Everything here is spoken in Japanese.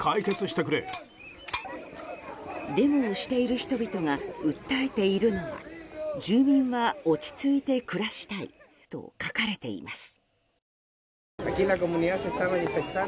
デモをしている人々が訴えているのは住民は落ち着いて暮らしたいと書かれています。